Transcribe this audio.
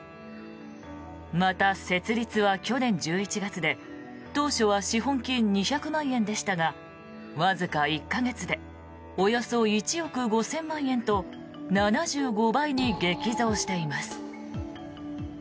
また、設立は去年１１月で当初は資本金２００万円でしたがわずか１か月でおよそ１億５０００万円と７５倍に激増しています。